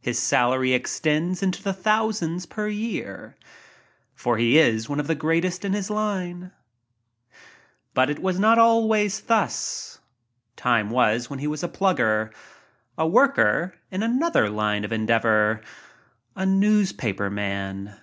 His salary extends into the thousands per year. For he is one or the great est in his line. But it was not always thus. Time was when he was a plugger— a worker in another line of endeavor a newspaper man.